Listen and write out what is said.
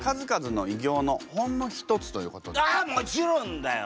ああもちろんだよ！